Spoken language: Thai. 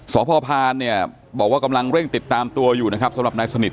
สพพานเนี่ยบอกว่ากำลังเร่งติดตามตัวอยู่นะครับสำหรับนายสนิท